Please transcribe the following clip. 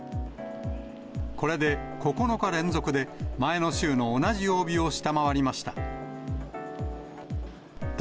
これで９日連続で前の週の同じ曜日を下回りました。